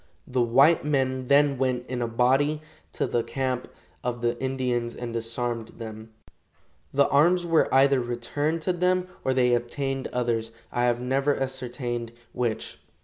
The white men then went in a body to the camp of the Indians and disarmed them. The arms were either returned to them or they obtained others, I have never ascertained which.